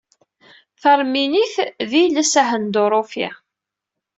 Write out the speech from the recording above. Taṛminit d iles ahenduṛufi.